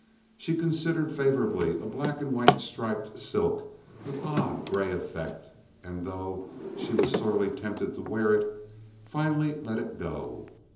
She considered favorably a black and white striped silk of odd gray effect, and, though she was sorely tempted to wear it, finally let it go.